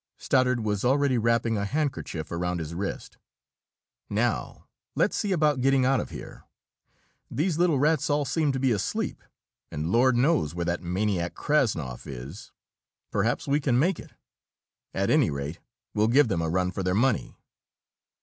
Stoddard was already wrapping a handkerchief around his wrist. "Now let's see about getting out of here. These little rats all seem to be asleep, and Lord knows where that maniac Krassnov is. Perhaps we can make it. At any rate, we'll give them a run for their money!"